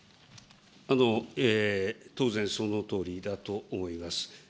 当然、そのとおりだと思います。